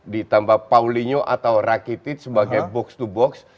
ditambah paulinho atau rakitic sebagai box to box